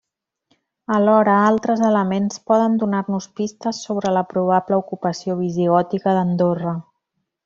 Alhora altres elements poden donar-nos pistes sobre la probable ocupació visigòtica d'Andorra.